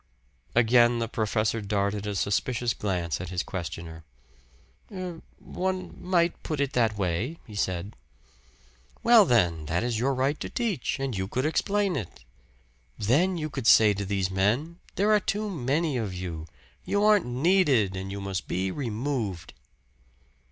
Again the professor darted a suspicious glance at his questioner. "Er one might put it that way," he said. "Well, then, that is your right to teach; and you could explain it. Then you could say to these men: 'There are too many of you; you aren't needed; and you must be removed.'"